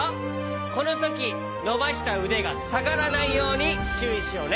このときのばしたうでがさがらないようにちゅういしようね。